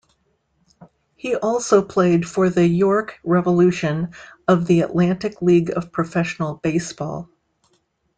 He also played for the York Revolution of the Atlantic League of Professional Baseball.